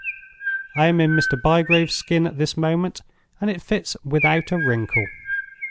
I am in Mr. Bygrave's skin at this moment and it fits without a wrinkle.